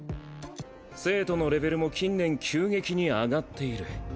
生徒のレベルも近年急激に上がっている。